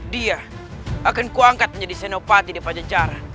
dia akan kuangkat menjadi senopati di panjang jalan